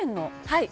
「はい」